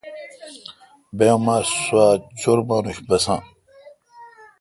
بہ اماں سوا چُر مانوش بساں۔